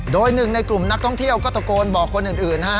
โดยหนึ่งในกลุ่มนักท่องเที่ยวก็ตะโกนบอกคนอื่นฮะ